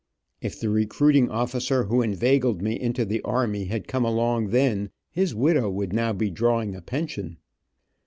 If the recruiting officer who inveigled me into the army had come along then, his widow would now be drawing a pension.